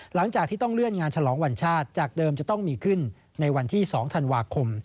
หลังจากที่ต้องเลื่อนงานฉลองวันชาติจากเดิมจะต้องมีขึ้นในวันที่๒ธันวาคม